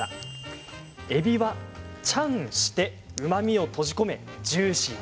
えびは漿してうまみを閉じ込めジューシーに。